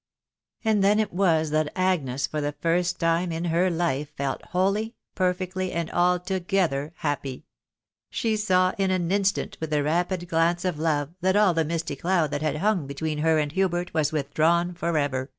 And then it was that Agnes for the first time in barns felt wholly, perfectly, and altogether happy. She saw in at instant, with the rapid glance of love, that all the mist* clssd that had hung between her and Hubert was witUamwn fir ever